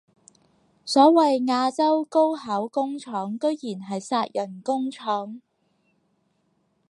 所謂亞洲高考工廠居然係殺人工廠